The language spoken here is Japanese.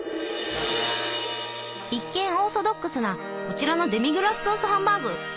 一見オーソドックスなこちらのデミグラスソースハンバーグ。